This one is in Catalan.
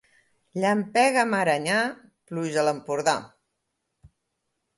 Llampega a Marenyà, pluja a l'Empordà.